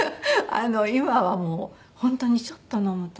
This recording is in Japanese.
今はもう本当にちょっと飲むと。